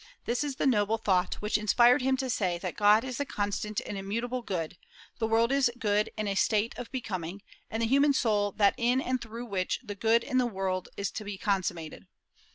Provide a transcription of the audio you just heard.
This is the noble thought which inspired him to say that God is the constant and immutable good; the world is good in a state of becoming, and the human soul that in and through which the good in the world is to be consummated.